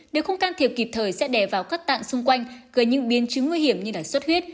nếu không can thiệp kịp thời sẽ đè vào các tạng xung quanh gây những biên chứng nguy hiểm như sốt huyết